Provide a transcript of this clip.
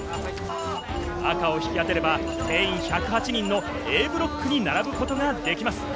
赤を引き当てれば定員１０８人のＡブロックに並ぶことができます。